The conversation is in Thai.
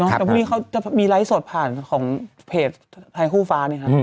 แล้วพวกนี้เขามีไลท์ส่วนผ่านของเพจทายฟูมาฟ้าเนี่ยค่ะ